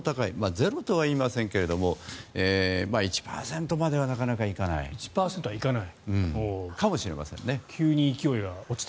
ゼロとは言いませんが１％まではなかなか行かないかもしれませんね。